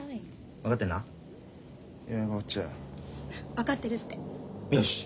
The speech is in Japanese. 分かってるって。よしっ。